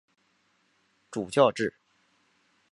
主教制。